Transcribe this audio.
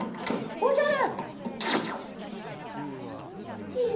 おじゃる。